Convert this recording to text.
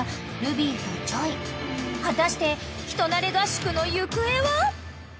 ［果たして人馴れ合宿の行方は？］